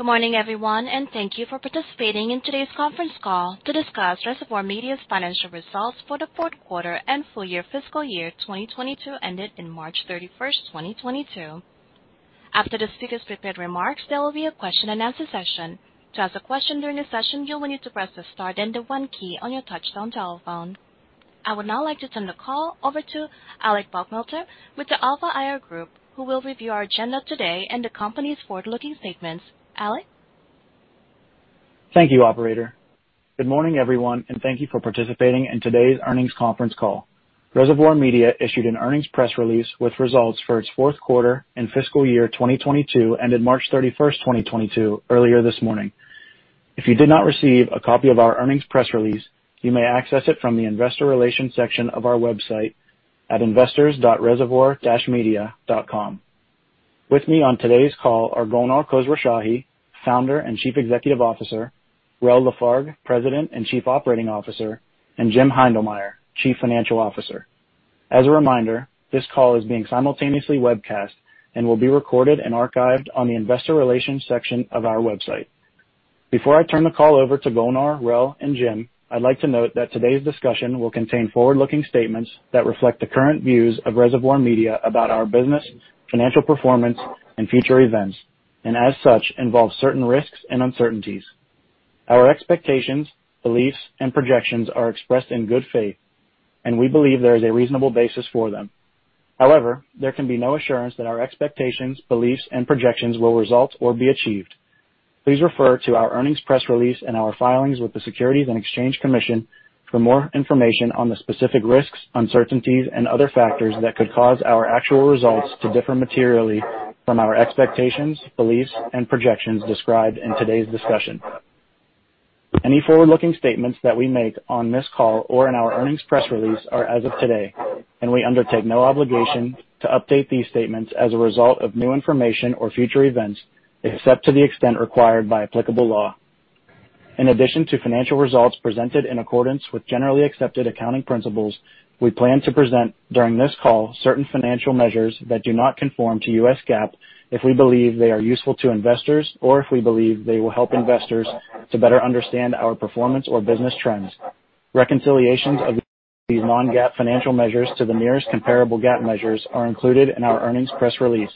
Good morning, everyone, and thank you for participating in today's conference call to discuss Reservoir Media's financial results for the fourth quarter and full year fiscal year 2022, ended in March 31st, 2022. After the speaker's prepared remarks, there will be a question-and-answer session. To ask a question during the session, you will need to press the star then the 1 key on your touchtone telephone. I would now like to turn the call over to Alec Buchmelter with the Alpha IR Group, who will review our agenda today and the company's forward-looking statements. Alec? Thank you, operator. Good morning, everyone, and thank you for participating in today's earnings conference call. Reservoir Media issued an earnings press release with results for its fourth quarter and fiscal year 2022, ended March 31st, 2022, earlier this morning. If you did not receive a copy of our earnings press release, you may access it from the Investor Relations section of our website at investors.reservoir-media.com. With me on today's call are Golnar Khosrowshahi, Founder and Chief Executive Officer, Rell Lafargue, President and Chief Operating Officer, and Jim Heindlmeyer, Chief Financial Officer. As a reminder, this call is being simultaneously webcast and will be recorded and archived on the Investor Relations section of our website. Before I turn the call over to Golnar, Rell, and Jim, I'd like to note that today's discussion will contain forward-looking statements that reflect the current views of Reservoir Media about our business, financial performance, and future events, and as such, involve certain risks and uncertainties. Our expectations, beliefs, and projections are expressed in good faith, and we believe there is a reasonable basis for them. However, there can be no assurance that our expectations, beliefs, and projections will result or be achieved. Please refer to our earnings press release and our filings with the Securities and Exchange Commission for more information on the specific risks, uncertainties, and other factors that could cause our actual results to differ materially from our expectations, beliefs, and projections described in today's discussion. Any forward-looking statements that we make on this call or in our earnings press release are as of today, and we undertake no obligation to update these statements as a result of new information or future events, except to the extent required by applicable law. In addition to financial results presented in accordance with generally accepted accounting principles, we plan to present, during this call, certain financial measures that do not conform to U.S. GAAP if we believe they are useful to investors or if we believe they will help investors to better understand our performance or business trends. Reconciliations of these non-GAAP financial measures to the nearest comparable GAAP measures are included in our earnings press release.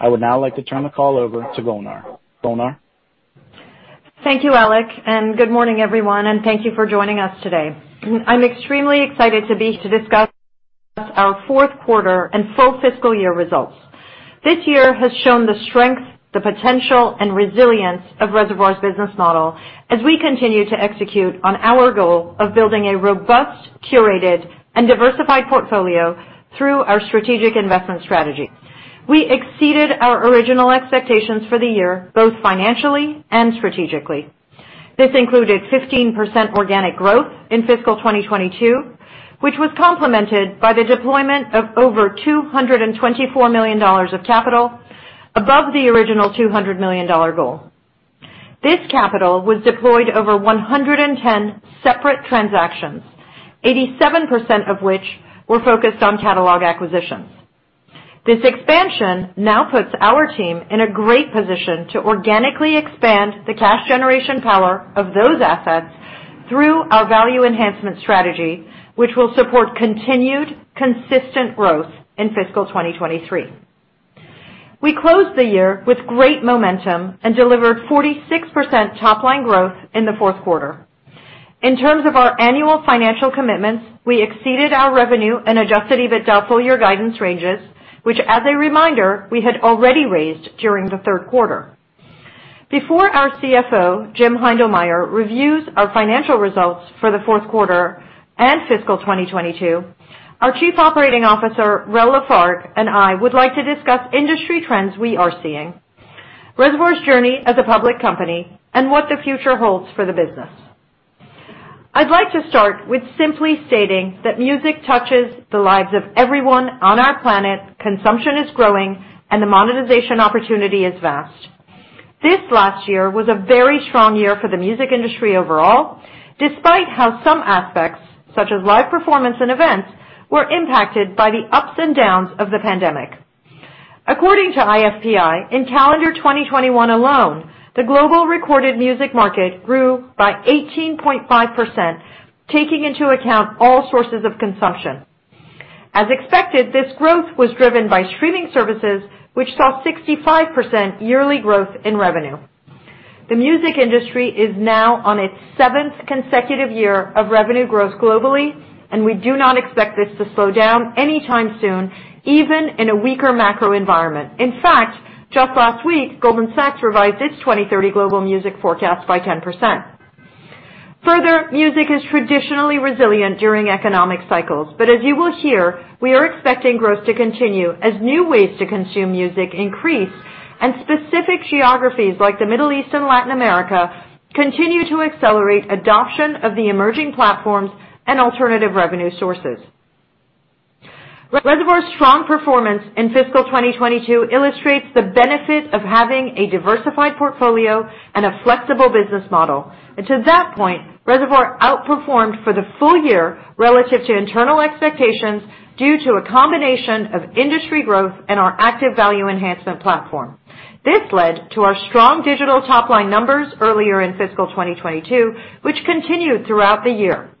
I would now like to turn the call over to Golnar. Golnar? Thank you, Alec, and good morning, everyone, and thank you for joining us today. I'm extremely excited to discuss our fourth quarter and full fiscal year results. This year has shown the strength, the potential, and resilience of Reservoir's business model as we continue to execute on our goal of building a robust, curated, and diversified portfolio through our strategic investment strategy. We exceeded our original expectations for the year, both financially and strategically. This included 15% organic growth in fiscal 2022, which was complemented by the deployment of over $224 million of capital above the original $200 million goal. This capital was deployed over 110 separate transactions, 87% of which were focused on catalog acquisitions. This expansion now puts our team in a great position to organically expand the cash generation power of those assets through our value enhancement strategy, which will support continued consistent growth in fiscal 2023. We closed the year with great momentum and delivered 46% top-line growth in the fourth quarter. In terms of our annual financial commitments, we exceeded our revenue and adjusted EBITDA full-year guidance ranges, which, as a reminder, we had already raised during the third quarter. Before our CFO, Jim Heindlmeyer, reviews our financial results for the fourth quarter and fiscal 2022, our Chief Operating Officer, Rell Lafargue, and I would like to discuss industry trends we are seeing, Reservoir's journey as a public company, and what the future holds for the business. I'd like to start with simply stating that music touches the lives of everyone on our planet, consumption is growing, and the monetization opportunity is vast. This last year was a very strong year for the music industry overall, despite how some aspects, such as live performance and events, were impacted by the ups and downs of the pandemic. According to IFPI, in calendar 2021 alone, the global recorded music market grew by 18.5%, taking into account all sources of consumption. As expected, this growth was driven by streaming services, which saw 65% yearly growth in revenue. The music industry is now on its seventh consecutive year of revenue growth globally, and we do not expect this to slow down anytime soon, even in a weaker macro environment. In fact, just last week, Goldman Sachs revised its 2030 global music forecast by 10%. Further, music is traditionally resilient during economic cycles, but as you will hear, we are expecting growth to continue as new ways to consume music increase and specific geographies like the Middle East and Latin America continue to accelerate adoption of the emerging platforms and alternative revenue sources. Reservoir's strong performance in fiscal 2022 illustrates the benefit of having a diversified portfolio and a flexible business model. To that point, Reservoir outperformed for the full year relative to internal expectations due to a combination of industry growth and our active value enhancement platform. This led to our strong digital top line numbers earlier in fiscal 2022, which continued throughout the year.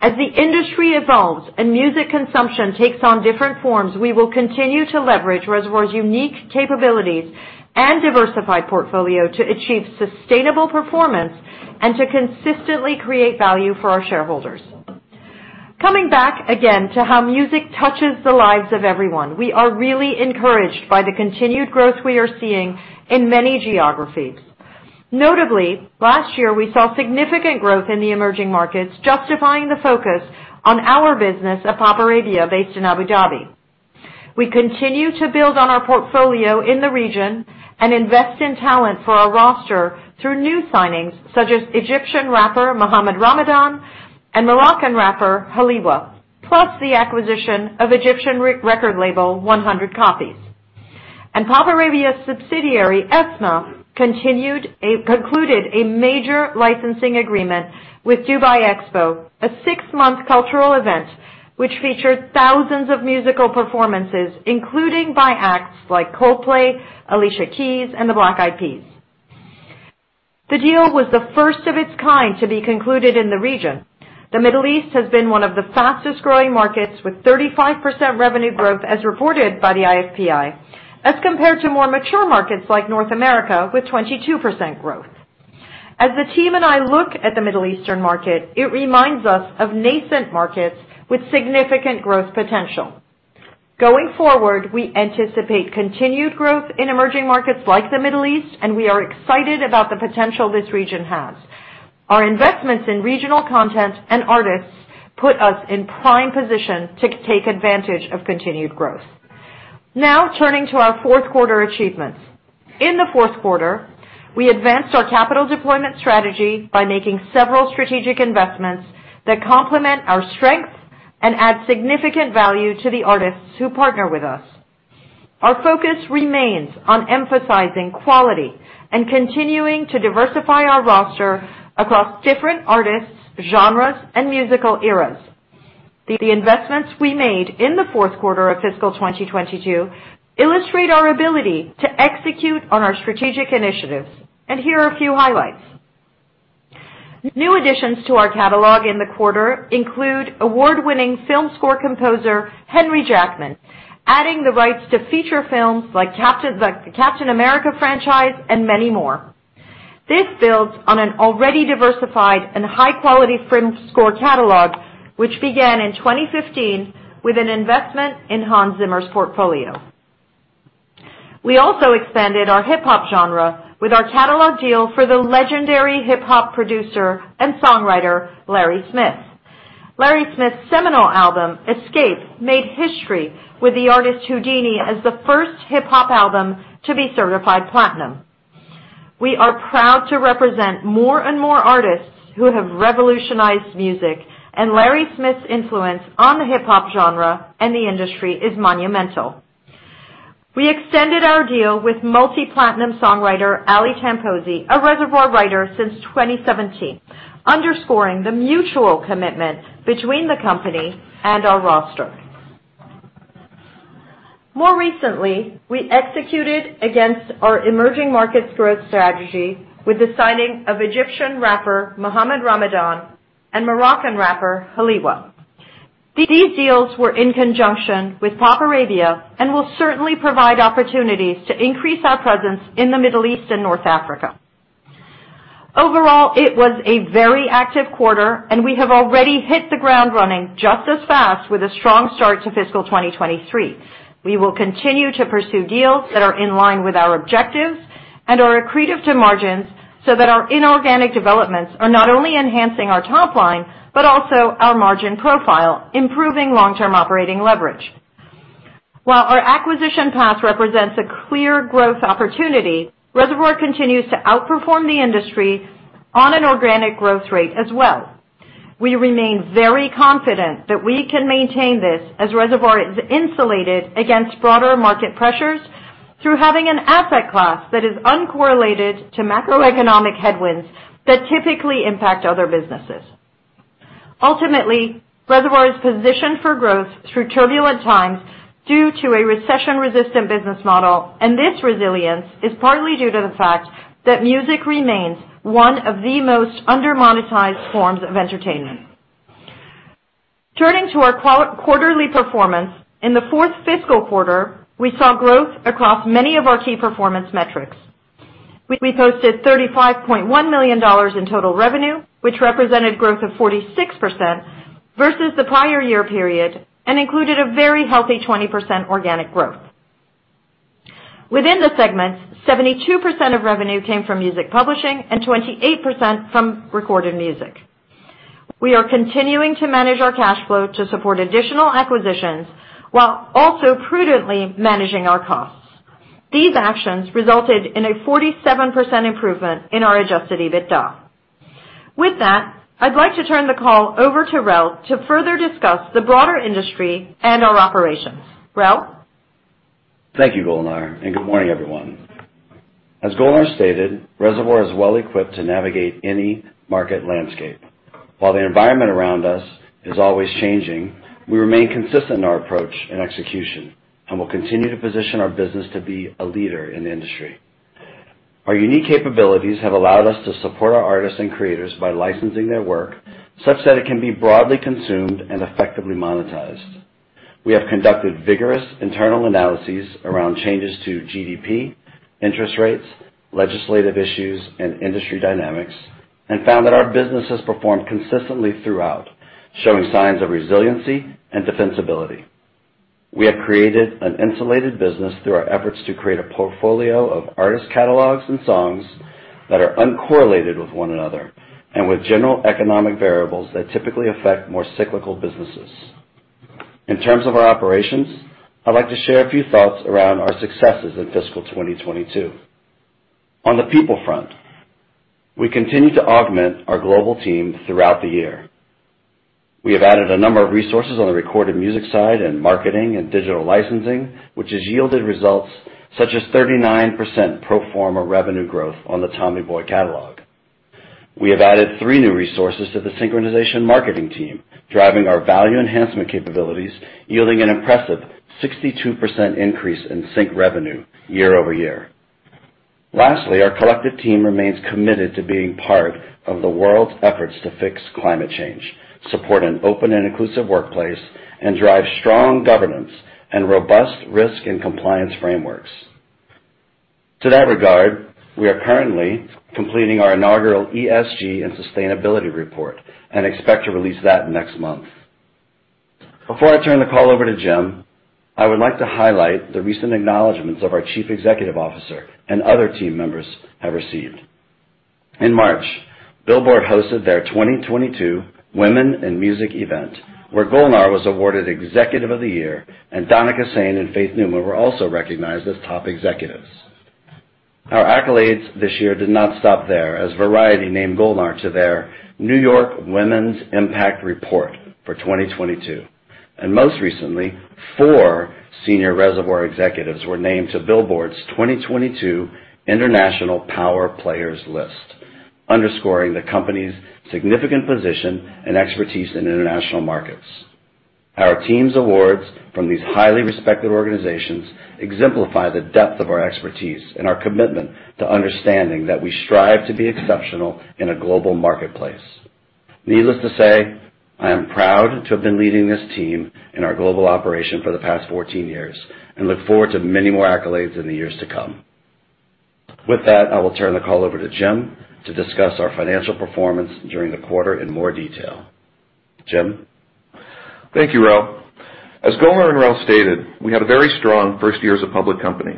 As the industry evolves and music consumption takes on different forms, we will continue to leverage Reservoir's unique capabilities and diversified portfolio to achieve sustainable performance and to consistently create value for our shareholders. Coming back again to how music touches the lives of everyone, we are really encouraged by the continued growth we are seeing in many geographies. Notably, last year, we saw significant growth in the emerging markets, justifying the focus on our business of PopArabia, based in Abu Dhabi. We continue to build on our portfolio in the region and invest in talent for our roster through new signings such as Egyptian rapper Mohamed Ramadan and Moroccan rapper 7liwa, plus the acquisition of Egyptian record label 100COPIES. PopArabia's subsidiary, ESMAA, concluded a major licensing agreement with Dubai Expo, a six-month cultural event which featured thousands of musical performances, including by acts like Coldplay, Alicia Keys, and The Black Eyed Peas. The deal was the first of its kind to be concluded in the region. The Middle East has been one of the fastest-growing markets, with 35% revenue growth as reported by the IFPI, as compared to more mature markets like North America, with 22% growth. As the team and I look at the Middle Eastern market, it reminds us of nascent markets with significant growth potential. Going forward, we anticipate continued growth in emerging markets like the Middle East, and we are excited about the potential this region has. Our investments in regional content and artists put us in prime position to take advantage of continued growth. Now turning to our fourth quarter achievements. In the fourth quarter, we advanced our capital deployment strategy by making several strategic investments that complement our strengths and add significant value to the artists who partner with us. Our focus remains on emphasizing quality and continuing to diversify our roster across different artists, genres, and musical eras. The investments we made in the fourth quarter of fiscal 2022 illustrate our ability to execute on our strategic initiatives, and here are a few highlights. New additions to our catalog in the quarter include award-winning film score composer Henry Jackman, adding the rights to feature films like the Captain America franchise and many more. This builds on an already diversified and high-quality film score catalog, which began in 2015 with an investment in Hans Zimmer's portfolio. We also expanded our hip-hop genre with our catalog deal for the legendary hip-hop producer and songwriter Larry Smith. Larry Smith's seminal album, Escape, made history with the artist Whodini as the first hip-hop album to be certified platinum. We are proud to represent more and more artists who have revolutionized music, and Larry Smith's influence on the hip-hop genre and the industry is monumental. We extended our deal with multi-platinum songwriter Ali Tamposi, a Reservoir writer since 2017, underscoring the mutual commitment between the company and our roster. More recently, we executed against our emerging markets growth strategy with the signing of Egyptian rapper, Mohamed Ramadan and Moroccan rapper, 7liwa. These deals were in conjunction with PopArabia and will certainly provide opportunities to increase our presence in the Middle East and North Africa. Overall, it was a very active quarter, and we have already hit the ground running just as fast with a strong start to fiscal 2023. We will continue to pursue deals that are in line with our objectives and are accretive to margins so that our inorganic developments are not only enhancing our top line but also our margin profile, improving long-term operating leverage. While our acquisition path represents a clear growth opportunity, Reservoir continues to outperform the industry on an organic growth rate as well. We remain very confident that we can maintain this as Reservoir is insulated against broader market pressures through having an asset class that is uncorrelated to macroeconomic headwinds that typically impact other businesses. Ultimately, Reservoir is positioned for growth through turbulent times due to a recession-resistant business model, and this resilience is partly due to the fact that music remains one of the most under-monetized forms of entertainment. Turning to our quarterly performance, in the fourth fiscal quarter, we saw growth across many of our key performance metrics. We posted $35.1 million in total revenue, which represented growth of 46% versus the prior year period and included a very healthy 20% organic growth. Within the segments, 72% of revenue came from Music Publishing and 28% from Recorded Music. We are continuing to manage our cash flow to support additional acquisitions while also prudently managing our costs. These actions resulted in a 47% improvement in our adjusted EBITDA. With that, I'd like to turn the call over to Rell to further discuss the broader industry and our operations. Rell? Thank you, Golnar, and good morning, everyone. As Golnar stated, Reservoir is well equipped to navigate any market landscape. While the environment around us is always changing, we remain consistent in our approach and execution, and we'll continue to position our business to be a leader in the industry. Our unique capabilities have allowed us to support our artists and creators by licensing their work such that it can be broadly consumed and effectively monetized. We have conducted vigorous internal analyses around changes to GDP, interest rates, legislative issues, and industry dynamics, and found that our business has performed consistently throughout, showing signs of resiliency and defensibility. We have created an insulated business through our efforts to create a portfolio of artist catalogs and songs that are uncorrelated with one another and with general economic variables that typically affect more cyclical businesses. In terms of our operations, I'd like to share a few thoughts around our successes in fiscal 2022. On the people front, we continue to augment our global team throughout the year. We have added a number of resources on the Recorded Music side and marketing and digital licensing, which has yielded results such as 39% pro forma revenue growth on the Tommy Boy catalog. We have added three new resources to the synchronization marketing team, driving our value enhancement capabilities, yielding an impressive 62% increase in sync revenue year-over-year. Lastly, our collective team remains committed to being part of the world's efforts to fix climate change, support an open and inclusive workplace, and drive strong governance and robust risk and compliance frameworks. To that regard, we are currently completing our inaugural ESG and sustainability report and expect to release that next month. Before I turn the call over to Jim, I would like to highlight the recent acknowledgments of our Chief Executive Officer and other team members have received. In March, Billboard hosted their 2022 Women in Music event, where Golnar was awarded Executive of the Year, and Danica Santos and Faith Newman were also recognized as top executives. Our accolades this year did not stop there as Variety named Golnar to their New York Women's Impact Report for 2022. Most recently, four senior Reservoir executives were named to Billboard's 2022 International Power Players list, underscoring the company's significant position and expertise in international markets. Our team's awards from these highly respected organizations exemplify the depth of our expertise and our commitment to understanding that we strive to be exceptional in a global marketplace. Needless to say, I am proud to have been leading this team in our global operation for the past 14 years and look forward to many more accolades in the years to come. With that, I will turn the call over to Jim to discuss our financial performance during the quarter in more detail. Jim? Thank you, Rell. As Golnar and Rell stated, we had a very strong first year as a public company.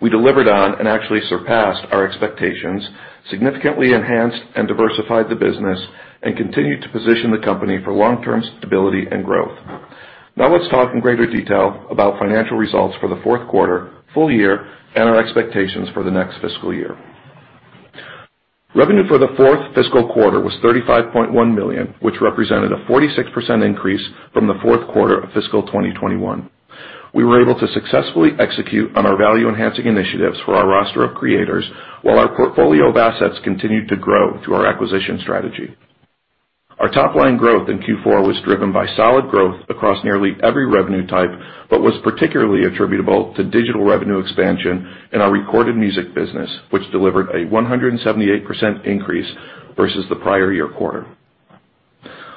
We delivered on and actually surpassed our expectations, significantly enhanced and diversified the business, and continued to position the company for long-term stability and growth. Now let's talk in greater detail about financial results for the fourth quarter, full year, and our expectations for the next fiscal year. Revenue for the fourth fiscal quarter was $35.1 million, which represented a 46% increase from the fourth quarter of fiscal 2021. We were able to successfully execute on our value-enhancing initiatives for our roster of creators while our portfolio of assets continued to grow through our acquisition strategy. Our top line growth in Q4 was driven by solid growth across nearly every revenue type, but was particularly attributable to digital revenue expansion in our Recorded Music business, which delivered a 178% increase versus the prior year quarter.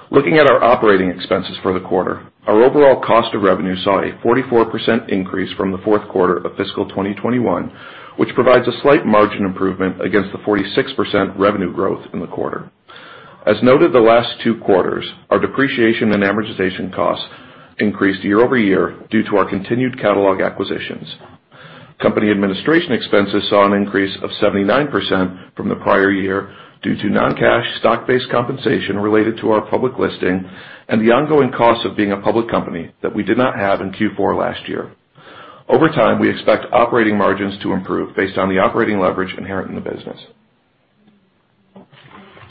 Looking at our operating expenses for the quarter, our overall cost of revenue saw a 44% increase from the fourth quarter of fiscal 2021, which provides a slight margin improvement against the 46% revenue growth in the quarter. As noted the last two quarters, our depreciation and amortization costs increased year-over-year due to our continued catalog acquisitions. Company administration expenses saw an increase of 79% from the prior year due to non-cash stock-based compensation related to our public listing and the ongoing cost of being a public company that we did not have in Q4 last year. Over time, we expect operating margins to improve based on the operating leverage inherent in the business.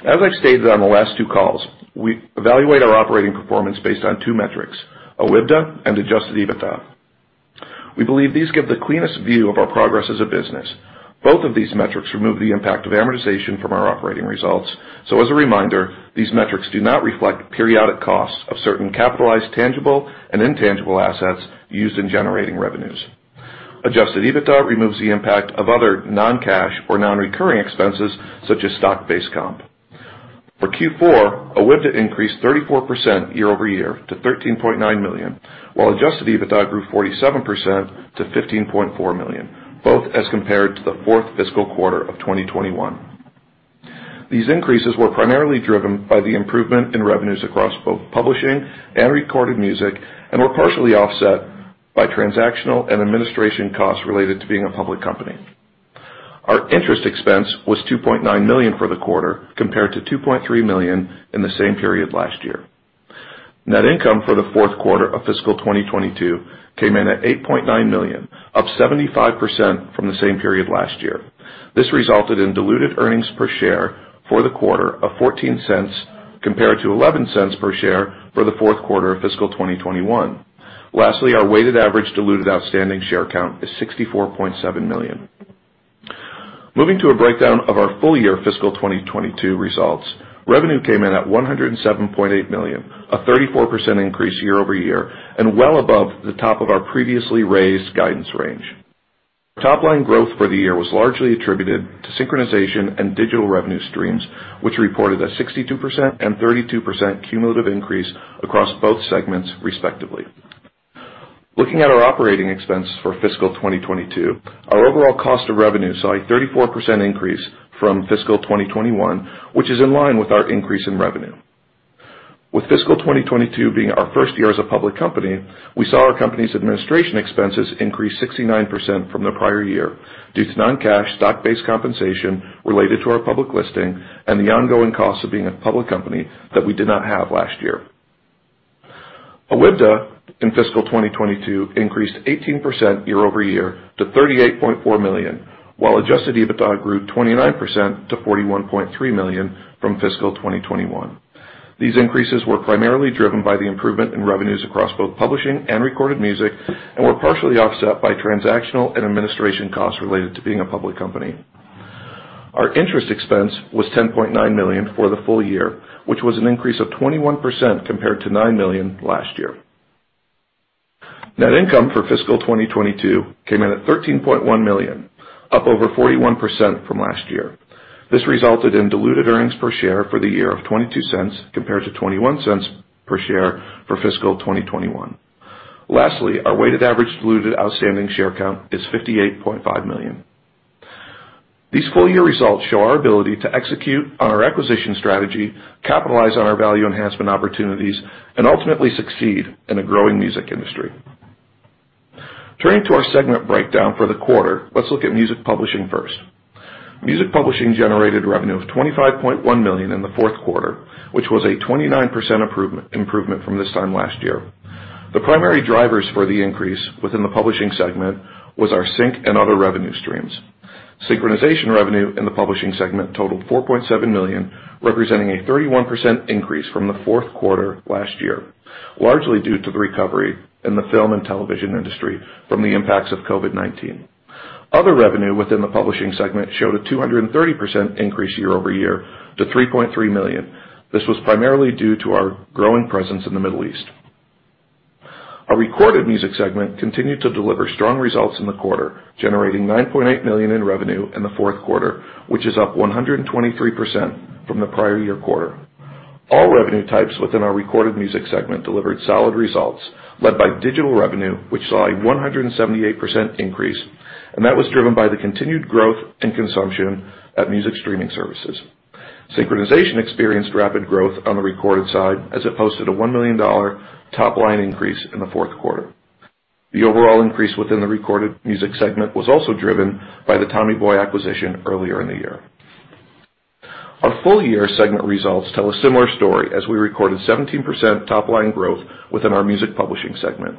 As I've stated on the last two calls, we evaluate our operating performance based on two metrics, OIBDA and adjusted EBITDA. We believe these give the cleanest view of our progress as a business. Both of these metrics remove the impact of amortization from our operating results. As a reminder, these metrics do not reflect periodic costs of certain capitalized tangible and intangible assets used in generating revenues. Adjusted EBITDA removes the impact of other non-cash or non-recurring expenses, such as stock-based comp. For Q4, OIBDA increased 34% year-over-year to $13.9 million, while adjusted EBITDA grew 47% to $15.4 million, both as compared to the fourth fiscal quarter of 2021. These increases were primarily driven by the improvement in revenues across both Publishing and Recorded Music and were partially offset by transactional and administration costs related to being a public company. Our interest expense was $2.9 million for the quarter, compared to $2.3 million in the same period last year. Net income for the fourth quarter of fiscal 2022 came in at $8.9 million, up 75% from the same period last year. This resulted in diluted earnings per share for the quarter of $0.14 compared to $0.11 per share for the fourth quarter of fiscal 2021. Lastly, our weighted average diluted outstanding share count is 64.7 million. Moving to a breakdown of our full year fiscal 2022 results, revenue came in at $107.8 million, a 34% increase year-over-year and well above the top of our previously raised guidance range. Top-line growth for the year was largely attributed to synchronization and digital revenue streams, which reported a 62% and 32% cumulative increase across both segments, respectively. Looking at our operating expense for fiscal 2022, our overall cost of revenue saw a 34% increase from fiscal 2021, which is in line with our increase in revenue. With fiscal 2022 being our first year as a public company, we saw our company's administration expenses increase 69% from the prior year due to non-cash stock-based compensation related to our public listing and the ongoing costs of being a public company that we did not have last year. OIBDA in fiscal 2022 increased 18% year-over-year to $38.4 million, while adjusted EBITDA grew 29% to $41.3 million from fiscal 2021. These increases were primarily driven by the improvement in revenues across both Publishing and Recorded Music, and were partially offset by transactional and administration costs related to being a public company. Our interest expense was $10.9 million for the full year, which was an increase of 21% compared to $9 million last year. Net income for fiscal 2022 came in at $13.1 million, up over 41% from last year. This resulted in diluted earnings per share for the year of $0.22, compared to $0.21 per share for fiscal 2021. Lastly, our weighted average diluted outstanding share count is 58.5 million. These full-year results show our ability to execute on our acquisition strategy, capitalize on our value enhancement opportunities, and ultimately succeed in a growing music industry. Turning to our segment breakdown for the quarter, let's look at Music Publishing first. Music Publishing generated revenue of $25.1 million in the fourth quarter, which was a 29% improvement from this time last year. The primary drivers for the increase within the Publishing segment was our sync and other revenue streams. Synchronization revenue in the Publishing segment totaled $4.7 million, representing a 31% increase from the fourth quarter last year, largely due to the recovery in the film and television industry from the impacts of COVID-19. Other revenue within the Publishing segment showed a 230% increase year-over-year to $3.3 million. This was primarily due to our growing presence in the Middle East. Our Recorded Music segment continued to deliver strong results in the quarter, generating $9.8 million in revenue in the fourth quarter, which is up 123% from the prior year quarter. All revenue types within our Recorded Music segment delivered solid results, led by digital revenue, which saw a 178% increase, and that was driven by the continued growth in consumption at music streaming services. Synchronization experienced rapid growth on the recorded side as it posted a $1 million top line increase in the fourth quarter. The overall increase within the Recorded Music segment was also driven by the Tommy Boy acquisition earlier in the year. Our full-year segment results tell a similar story as we recorded 17% top line growth within our Music Publishing segment.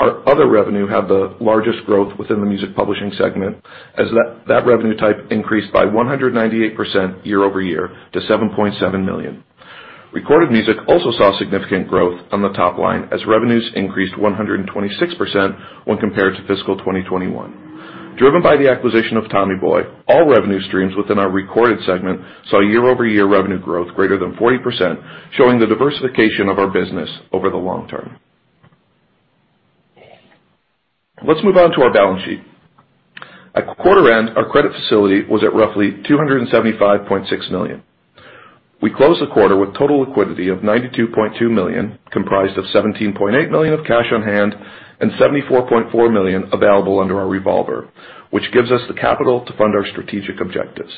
Our other revenue had the largest growth within the Music Publishing segment as that revenue type increased by 198% year-over-year to $7.7 million. Recorded music also saw significant growth on the top line as revenues increased 126% when compared to fiscal 2021. Driven by the acquisition of Tommy Boy, all revenue streams within our Recorded segment saw year-over-year revenue growth greater than 40%, showing the diversification of our business over the long term. Let's move on to our balance sheet. At quarter end, our credit facility was at roughly $275.6 million. We closed the quarter with total liquidity of $92.2 million, comprised of $17.8 million of cash on hand and $74.4 million available under our revolver, which gives us the capital to fund our strategic objectives.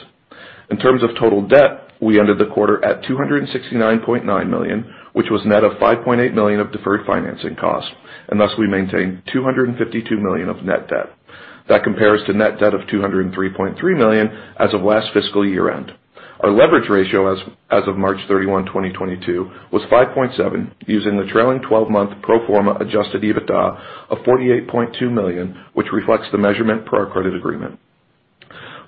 In terms of total debt, we ended the quarter at $269.9 million, which was net of $5.8 million of deferred financing costs, and thus we maintained $252 million of net debt. That compares to net debt of $203.3 million as of last fiscal year-end. Our leverage ratio as of March 31, 2022 was 5.7x using the trailing 12-month pro forma adjusted EBITDA of $48.2 million, which reflects the measurement per our credit agreement.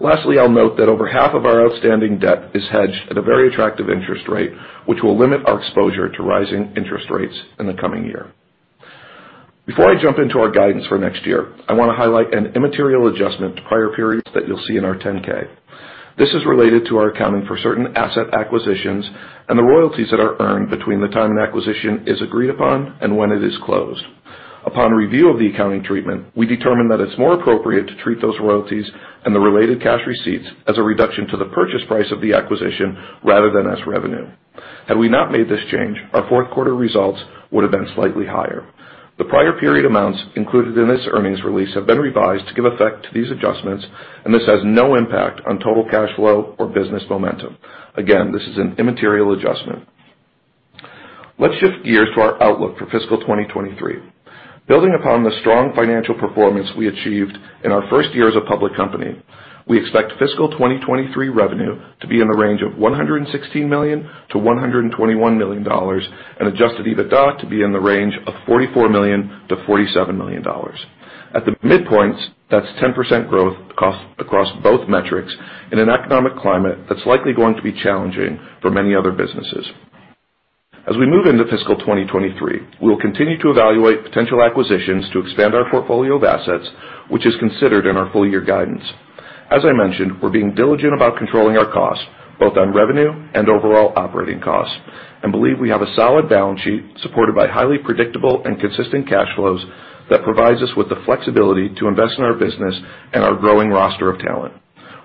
Lastly, I'll note that over half of our outstanding debt is hedged at a very attractive interest rate, which will limit our exposure to rising interest rates in the coming year. Before I jump into our guidance for next year, I want to highlight an immaterial adjustment to prior periods that you'll see in our 10-K. This is related to our accounting for certain asset acquisitions and the royalties that are earned between the time an acquisition is agreed upon and when it is closed. Upon review of the accounting treatment, we determined that it's more appropriate to treat those royalties and the related cash receipts as a reduction to the purchase price of the acquisition rather than as revenue. Had we not made this change, our fourth quarter results would have been slightly higher. The prior period amounts included in this earnings release have been revised to give effect to these adjustments, and this has no impact on total cash flow or business momentum. Again, this is an immaterial adjustment. Let's shift gears to our outlook for fiscal 2023. Building upon the strong financial performance we achieved in our first year as a public company, we expect fiscal 2023 revenue to be in the range of $116 million-$121 million and adjusted EBITDA to be in the range of $44 million-$47 million. At the midpoints, that's 10% growth across both metrics in an economic climate that's likely going to be challenging for many other businesses. As we move into fiscal 2023, we'll continue to evaluate potential acquisitions to expand our portfolio of assets, which is considered in our full-year guidance. As I mentioned, we're being diligent about controlling our costs, both on revenue and overall operating costs. I believe we have a solid balance sheet supported by highly predictable and consistent cash flows that provides us with the flexibility to invest in our business and our growing roster of talent.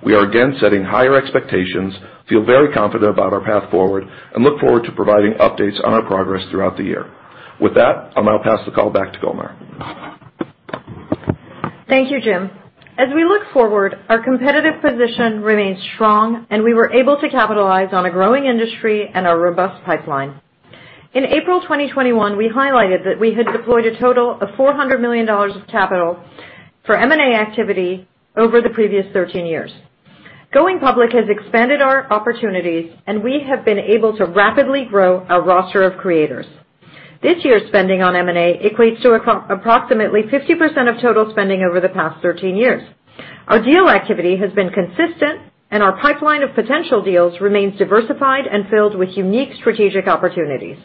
We are again setting higher expectations, feel very confident about our path forward, and look forward to providing updates on our progress throughout the year. With that, I'll now pass the call back to Golnar. Thank you, Jim. As we look forward, our competitive position remains strong, and we were able to capitalize on a growing industry and a robust pipeline. In April 2021, we highlighted that we had deployed a total of $400 million of capital for M&A activity over the previous 13 years. Going public has expanded our opportunities, and we have been able to rapidly grow our roster of creators. This year's spending on M&A equates to approximately 50% of total spending over the past 13 years. Our deal activity has been consistent, and our pipeline of potential deals remains diversified and filled with unique strategic opportunities.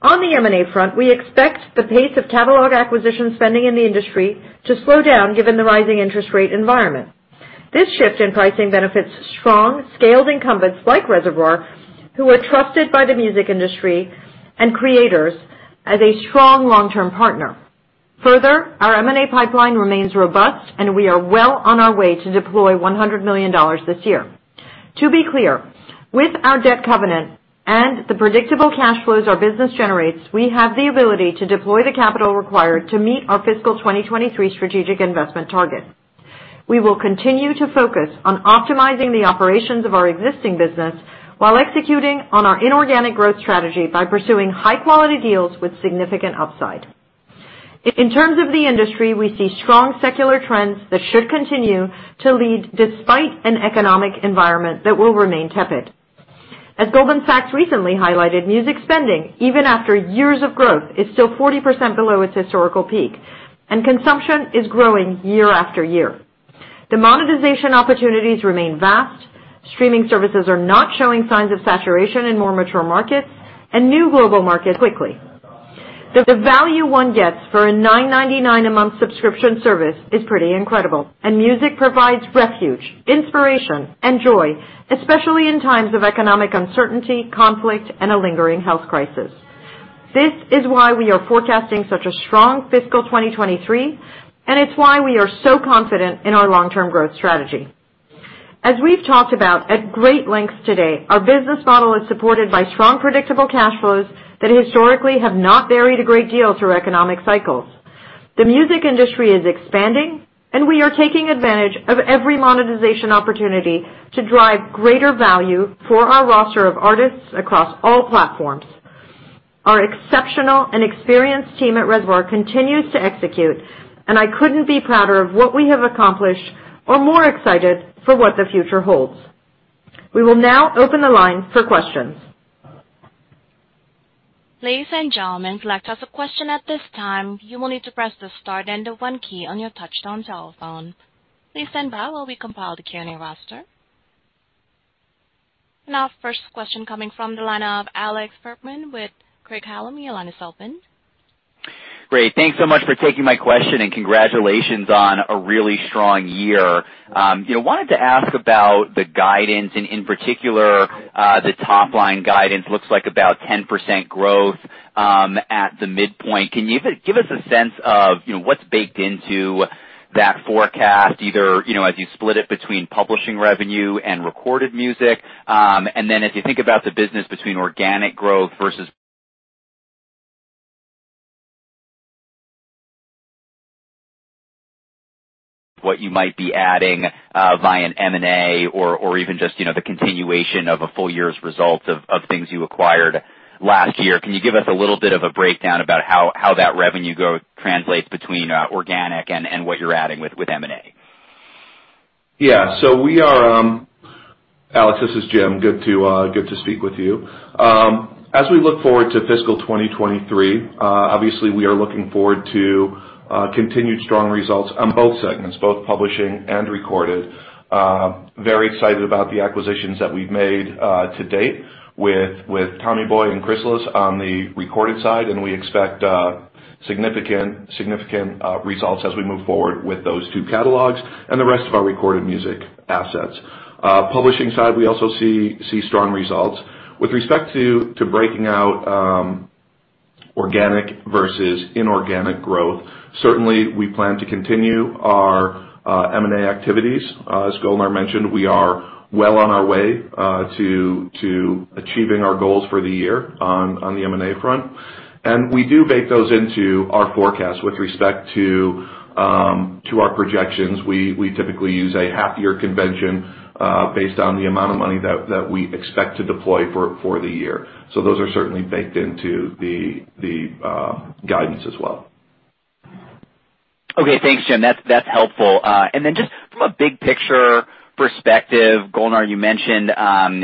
On the M&A front, we expect the pace of catalog acquisition spending in the industry to slow down given the rising interest rate environment. This shift in pricing benefits strong, scaled incumbents like Reservoir, who are trusted by the music industry and creators as a strong long-term partner. Further, our M&A pipeline remains robust, and we are well on our way to deploy $100 million this year. To be clear, with our debt covenant and the predictable cash flows our business generates, we have the ability to deploy the capital required to meet our fiscal 2023 strategic investment target. We will continue to focus on optimizing the operations of our existing business while executing on our inorganic growth strategy by pursuing high-quality deals with significant upside. In terms of the industry, we see strong secular trends that should continue to lead despite an economic environment that will remain tepid. As Goldman Sachs recently highlighted, music spending, even after years of growth, is still 40% below its historical peak, and consumption is growing year-after-year. The monetization opportunities remain vast. Streaming services are not showing signs of saturation in more mature markets and new global markets quickly. The value one gets for a $9.99 a month subscription service is pretty incredible, and music provides refuge, inspiration, and joy, especially in times of economic uncertainty, conflict, and a lingering health crisis. This is why we are forecasting such a strong fiscal 2023, and it's why we are so confident in our long-term growth strategy. As we've talked about at great lengths today, our business model is supported by strong, predictable cash flows that historically have not varied a great deal through economic cycles. The music industry is expanding, and we are taking advantage of every monetization opportunity to drive greater value for our roster of artists across all platforms. Our exceptional and experienced team at Reservoir continues to execute, and I couldn't be prouder of what we have accomplished or more excited for what the future holds. We will now open the line for questions. Ladies and gentlemen, if you'd like to ask a question at this time, you will need to press the star then the one key on your touchtone telephone. Please stand by while we compile the Q&A roster. Now first question coming from the line of Alex Fuhrman with Craig-Hallum. Your line is open. Great. Thanks so much for taking my question and congratulations on a really strong year. You know, wanted to ask about the guidance and in particular, the top-line guidance looks like about 10% growth, at the midpoint. Can you give us a sense of, you know, what's baked into that forecast? Either, you know, as you split it between Publishing revenue and Recorded Music. As you think about the business between organic growth versus what you might be adding, via M&A or even just, you know, the continuation of a full-year's result of things you acquired last year. Can you give us a little bit of a breakdown about how that revenue growth translates between, organic and what you're adding with M&A? Alex, this is Jim. Good to speak with you. As we look forward to fiscal 2023, obviously we are looking forward to continued strong results on both segments, both Publishing and Recorded. Very excited about the acquisitions that we've made to date with Tommy Boy and Chrysalis on the Recorded side, and we expect significant results as we move forward with those two catalogs and the rest of our Recorded Music assets. Publishing side, we also see strong results. With respect to breaking out organic versus inorganic growth. Certainly, we plan to continue our M&A activities. As Golnar mentioned, we are well on our way to achieving our goals for the year on the M&A front. We do bake those into our forecast with respect to our projections. We typically use a half year convention based on the amount of money that we expect to deploy for the year. Those are certainly baked into the guidance as well. Okay. Thanks, Jim. That's helpful. From a big picture perspective, Golnar, you mentioned,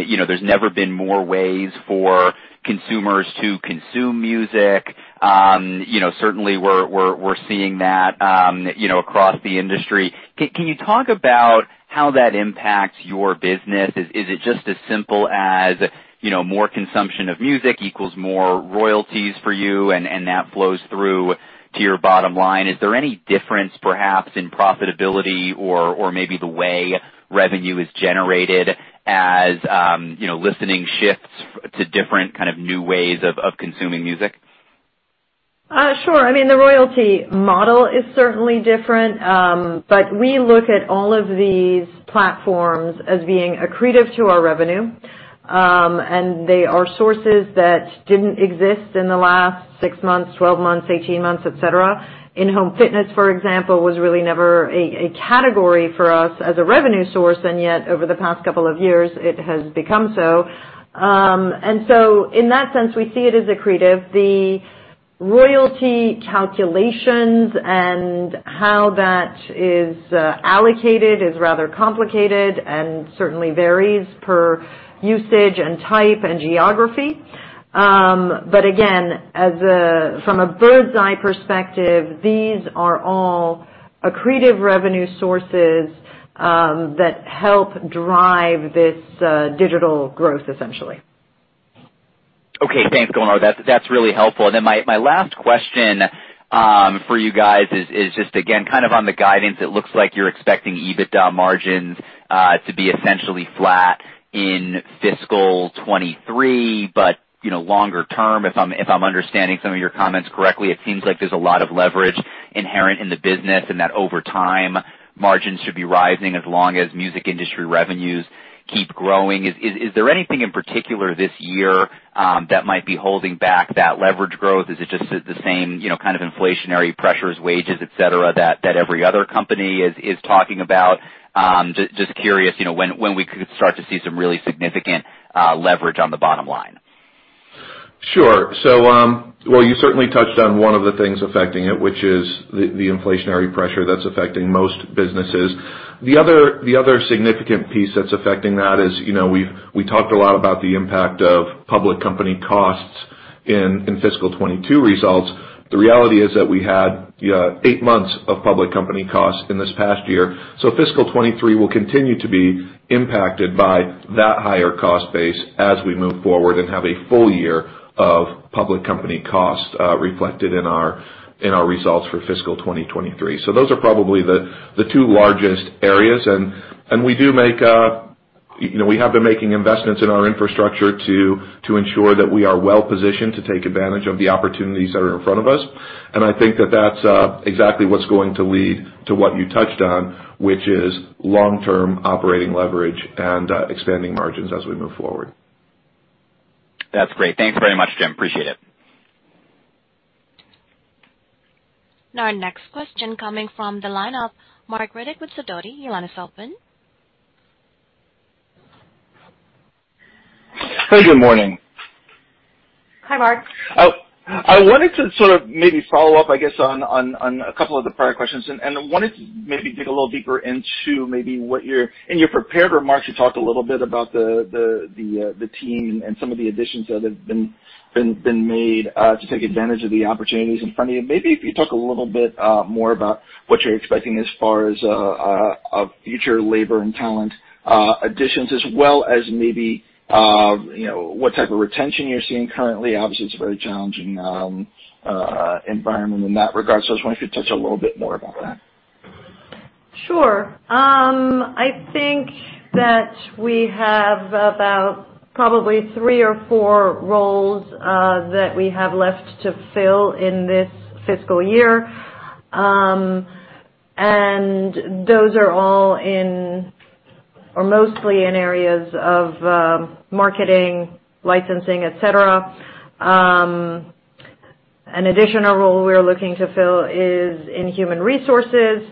you know, there's never been more ways for consumers to consume music. You know, certainly we're seeing that, you know, across the industry. Can you talk about how that impacts your business? Is it just as simple as, you know, more consumption of music equals more royalties for you, and that flows through to your bottom line? Is there any difference perhaps in profitability or maybe the way revenue is generated as, you know, listening shifts to different kind of new ways of consuming music? Sure. I mean, the royalty model is certainly different. We look at all of these platforms as being accretive to our revenue. They are sources that didn't exist in the last six months, 12 months, 18 months, et cetera. In-home fitness, for example, was really never a category for us as a revenue source, and yet over the past couple of years, it has become so. In that sense, we see it as accretive. The royalty calculations and how that is allocated is rather complicated and certainly varies per usage and type and geography. Again, from a bird's eye perspective, these are all accretive revenue sources that help drive this digital growth essentially. Okay, thanks, Golnar. That's really helpful. Then my last question for you guys is just again, kind of on the guidance. It looks like you're expecting EBITDA margins to be essentially flat in fiscal 2023, but you know, longer term, if I'm understanding some of your comments correctly, it seems like there's a lot of leverage inherent in the business and that over time, margins should be rising as long as music industry revenues keep growing. Is there anything in particular this year that might be holding back that leverage growth? Is it just the same you know, kind of inflationary pressures, wages, etc, that every other company is talking about? Just curious, you know, when we could start to see some really significant leverage on the bottom line. Sure. You certainly touched on one of the things affecting it, which is the inflationary pressure that's affecting most businesses. The other significant piece that's affecting that is, you know, we talked a lot about the impact of public company costs in fiscal 2022 results. The reality is that we had eight months of public company costs in this past year. Fiscal 2023 will continue to be impacted by that higher cost base as we move forward and have a full year of public company costs reflected in our results for fiscal 2023. Those are probably the two largest areas. We do make, you know, we have been making investments in our infrastructure to ensure that we are well-positioned to take advantage of the opportunities that are in front of us. I think that that's exactly what's going to lead to what you touched on, which is long-term operating leverage and expanding margins as we move forward. That's great. Thanks very much, Jim. Appreciate it. Now our next question coming from the line of Marc Riddick with Sidoti. Your line is open. Hey, good morning. Hi, Marc. I wanted to sort of maybe follow up, I guess, on a couple of the prior questions, and I wanted to maybe dig a little deeper into maybe what you're in your prepared remarks, you talked a little bit about the team and some of the additions that have been made to take advantage of the opportunities in front of you. Maybe if you talk a little bit more about what you're expecting as far as of future labor and talent additions, as well as maybe, you know, what type of retention you're seeing currently. Obviously, it's a very challenging environment in that regard. I was wondering if you could touch a little bit more about that. Sure. I think that we have about probably three or four roles that we have left to fill in this fiscal year. Those are all in, or mostly in areas of marketing, licensing, etc. An additional role we're looking to fill is in human resources.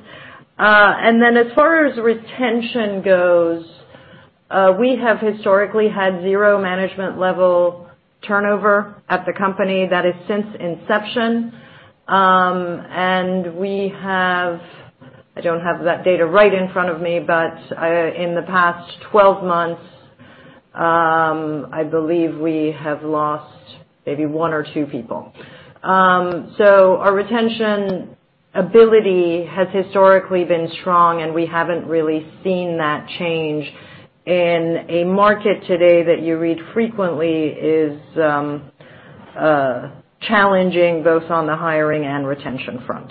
Then as far as retention goes, we have historically had zero management level turnover at the company. That is since inception. I don't have that data right in front of me, but in the past 12 months, I believe we have lost maybe one or two people. Our retention ability has historically been strong, and we haven't really seen that change in a market today that you read frequently is challenging both on the hiring and retention front.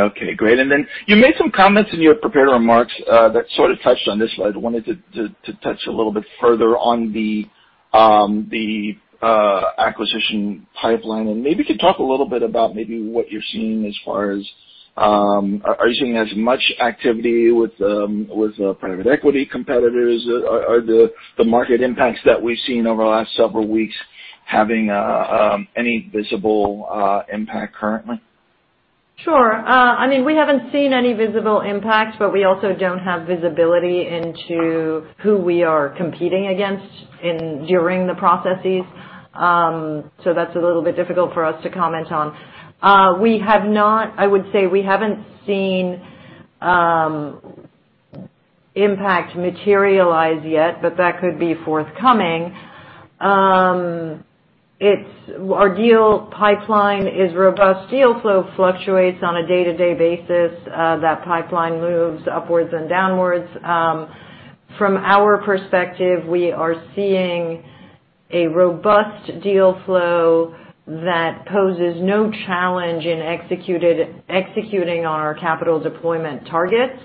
Okay, great. Then you made some comments in your prepared remarks that sort of touched on this, but I wanted to touch a little bit further on the acquisition pipeline. Maybe you could talk a little bit about maybe what you're seeing as far as are you seeing as much activity with private equity competitors? Are the market impacts that we've seen over the last several weeks having any visible impact currently? Sure. I mean, we haven't seen any visible impacts, but we also don't have visibility into who we are competing against during the processes. So that's a little bit difficult for us to comment on. I would say we haven't seen impact materialize yet, but that could be forthcoming. Our deal pipeline is robust. Deal flow fluctuates on a day-to-day basis. That pipeline moves upwards and downwards. From our perspective, we are seeing a robust deal flow that poses no challenge in executing our capital deployment targets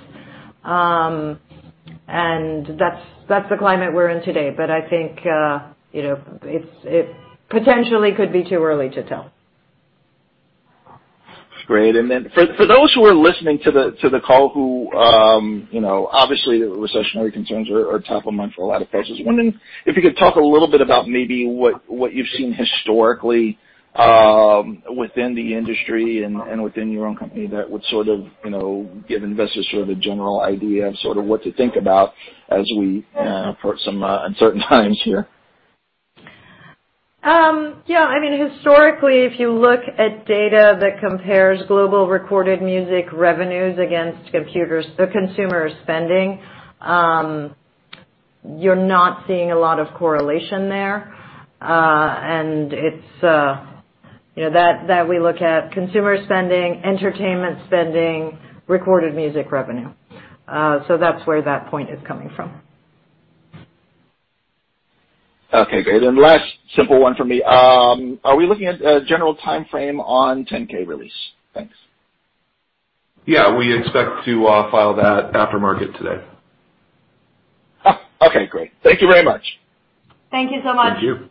and that's the climate we're in today. I think you know, it potentially could be too early to tell. Great. For those who are listening to the call. You know, obviously, recessionary concerns are top of mind for a lot of folks. Just wondering if you could talk a little bit about maybe what you've seen historically within the industry and within your own company that would sort of you know give investors sort of a general idea of sort of what to think about as we approach some uncertain times here. Historically, if you look at data that compares global Recorded Music revenues against consumer spending, you're not seeing a lot of correlation there. It's, you know, that we look at consumer spending, entertainment spending, Recorded Music revenue. That's where that point is coming from. Okay, great. Last simple one from me. Are we looking at a general timeframe on 10-K release? Thanks. Yeah. We expect to file that after market today. Oh, okay, great. Thank you very much. Thank you so much. Thank you.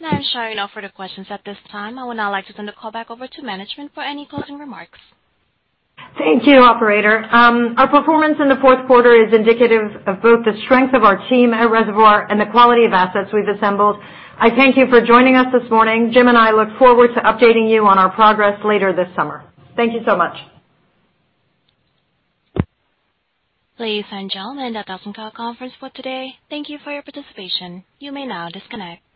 That is all for the questions at this time. I would now like to send the call back over to management for any closing remarks. Thank you, operator. Our performance in the fourth quarter is indicative of both the strength of our team at Reservoir and the quality of assets we've assembled. I thank you for joining us this morning. Jim and I look forward to updating you on our progress later this summer. Thank you so much. Ladies and gentlemen, that does end our conference call today. Thank you for your participation. You may now disconnect.